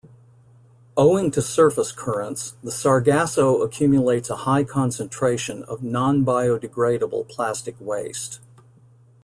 Owing to surface currents, the Sargasso accumulates a high concentration of non-biodegradable plastic waste.